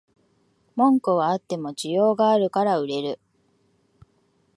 文句はあっても需要があるから売れる